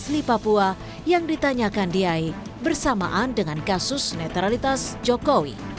asli papua yang ditanyakan diai bersamaan dengan kasus netralitas jokowi